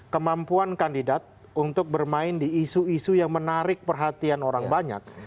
kemampuan kandidat untuk bermain di isu isu yang menarik perhatian orang banyak